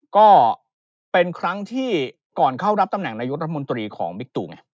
ก็เป็นครั้งก่อนเข้ารับตัดแหน่งนายุทธรรมนตรีของมิกตุ